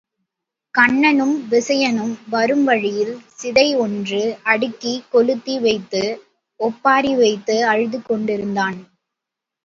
கண்ணனும் விசயனும் வரும் வழியில் சிதை ஒன்று அடுக்கிக் கொளுத்தி வைத்து ஒப்பாரி வைத்து அழுது கொண்டிருந்தான்.